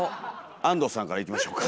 安藤さんからいきましょうか。